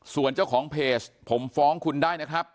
ส่วนเจ้าของเพจผมฟ้องคุณได้นะครับ